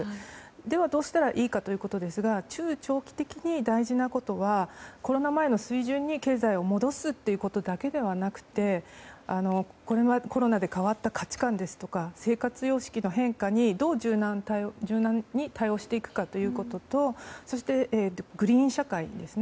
では、どうしたらいいかということですが中長期的に大事なことは、コロナ前の水準に戻すということだけではなくてコロナで変わった価値観とか生活様式の変化にどう柔軟に対応していくかということとそして、グリーン社会ですね